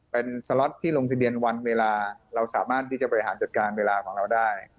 เป็นสล็อตที่ลงทะเบียนวันเวลาเราสามารถที่จะบริหารจัดการเวลาของเราได้